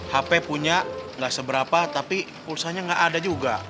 hape punya gak seberapa tapi pilsennya gak ada juga